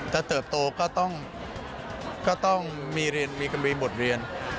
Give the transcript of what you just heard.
แต่เติบโตก็ต้องมีเรียนมีกำลังมีบทเรียน